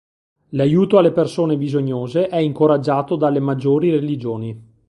L'aiuto alle persone bisognose è incoraggiato dalle maggiori religioni.